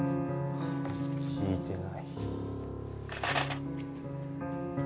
聞いてない。